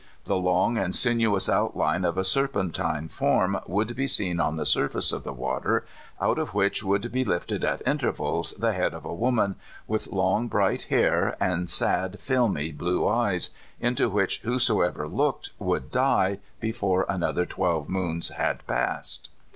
The long and sinuous outline of a serpentine form would be seen on the surface of the water, out of which would be lifted at intervals the head of a woman, with long, bright hair and sad, filmy, blue eyes, into which whosoever looked would die before another twelve moons had passed.